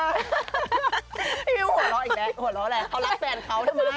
ไม่มีหัวเล่าอีกแหละหัวเล่าอะไรเขารักแฟนเขาทำไม